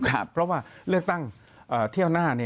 เพราะว่าเลือกตั้งเที่ยวหน้า